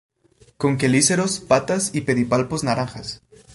Con quelíceros, patas y pedipalpos naranjas.